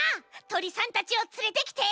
とりさんたちをつれてきて！